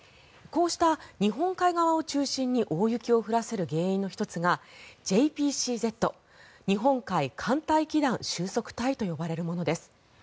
こうした日本海側を中心に大雪を降らせる原因の１つがＪＰＣＺ・日本海寒帯気団収束帯と呼ばれるものです。